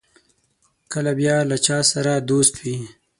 کله بیا له بل چا سره دوست وي.